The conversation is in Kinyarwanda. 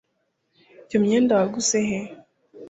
iyo myenda waguze he